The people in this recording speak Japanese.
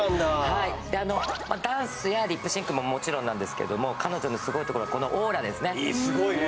はいダンスやリップシンクももちろんなんですけども彼女のすごいところはこのオーラですねすごいね！